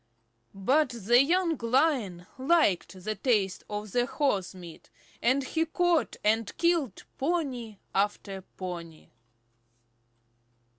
But the young Lion liked the taste of horse meat, and he caught and killed pony after pony.